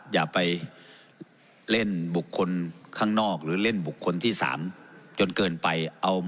อย่าไปเล่นบุคคลข้างนอกหรือเล่นบุคคลที่๓จนเกินไป